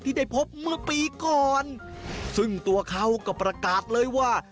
ได้พบเมื่อปีก่อนซึ่งตัวเขาก็ประกาศเลยว่า